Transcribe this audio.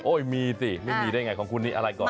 โอ้ยมีสิไม่มีได้อย่างไรของคุณนี่อะไรก่อนนะ